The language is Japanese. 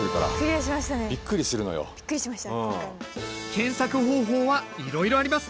検索方法はいろいろあります。